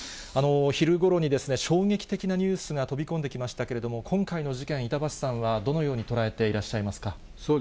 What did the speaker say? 昼ごろに、衝撃的なニュースが飛び込んできましたけれども、今回の事件、板橋さんはどのように捉えていらっしゃいますか。